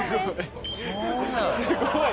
すごい！